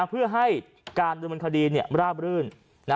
เพื่อให้การดำเนินคดีราบรื่น